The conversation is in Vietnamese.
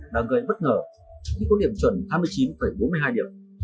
đã gây bất ngờ khi có điểm chuẩn ba mươi chín bốn mươi hai điểm